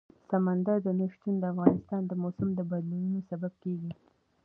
سمندر نه شتون د افغانستان د موسم د بدلون سبب کېږي.